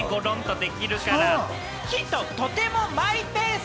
ヒント、とてもマイペース。